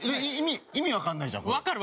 意味わかんないじゃんこれ。